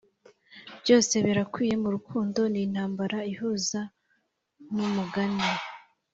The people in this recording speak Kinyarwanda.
byose birakwiye murukundo nintambara ihuza numugani